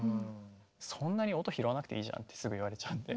「そんなに音拾わなくていいじゃん」ってすぐ言われちゃうんで。